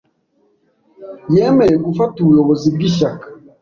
Yemeye gufata ubuyobozi bw'ishyaka.